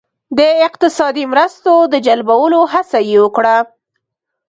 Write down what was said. د اقتصادي مرستو د جلبولو هڅه یې وکړه.